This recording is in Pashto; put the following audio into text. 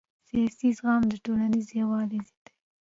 سیاسي زغم ټولنیز یووالی زیاتوي